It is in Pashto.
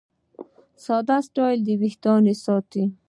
ساده سټایل وېښتيان ساتي.